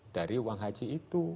dari uang haji itu